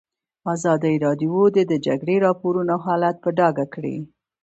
ازادي راډیو د د جګړې راپورونه حالت په ډاګه کړی.